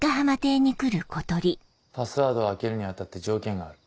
パスワードを開けるに当たって条件がある。